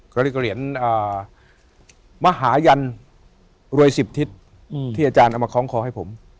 ก็เรียกว่าเหรียญอ่ามหาญันรวยสิบทิศอืมที่อาจารย์เอามาค้องคอให้ผม